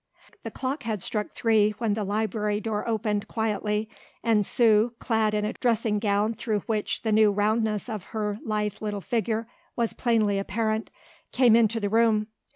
The clock had struck three when the library door opened quietly and Sue, clad in a dressing gown through which the new roundness of her lithe little figure was plainly apparent, came into the room.